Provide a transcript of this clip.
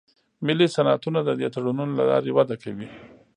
ملي صنعتونه د دې تړونونو له لارې وده کوي